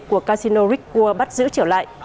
của casino rick war bắt giữ trở lại